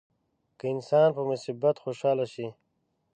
که انسان په مصیبت خوشاله شي.